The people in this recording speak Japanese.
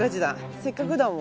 せっかくだもんね。